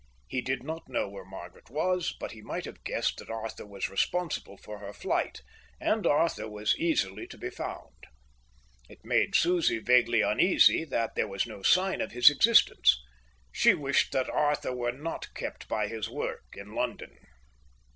He did not know where Margaret was, but he might have guessed that Arthur was responsible for her flight, and Arthur was easily to be found. It made Susie vaguely uneasy that there was no sign of his existence. She wished that Arthur were not kept by his work in London.